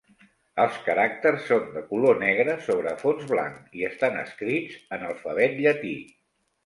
Els caràcters són de color negre sobre fons blanc i estan escrits en alfabet llatí.